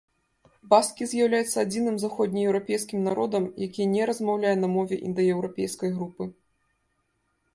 Баскі з'яўляецца адзіным заходнееўрапейскі народам, які не размаўляе на мове індаеўрапейскай групы.